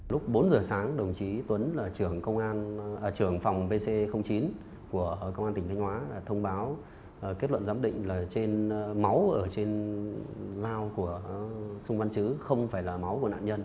lúc bốn giờ sáng đồng chí tuấn là trưởng phòng vc chín của công an tỉnh thanh hóa thông báo kết luận giám định là máu ở trên dao của sông văn chứ không phải là máu của nạn nhân